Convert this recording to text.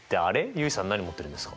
結衣さん何持ってるんですか？